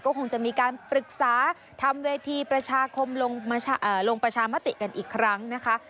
ก็คงจะมีการปรึกษาทำเวทีประชาคมลงประชามติกันอีกครั้งนะคะ